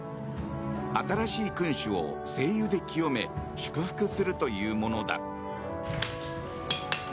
新しい君主を聖油で清め祝福するというものだ。